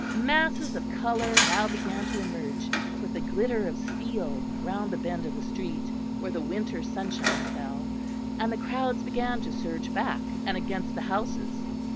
Masses of colour now began to emerge, with the glitter of steel, round the bend of the street, where the winter sunshine fell; and the crowds began to surge back, and against the houses.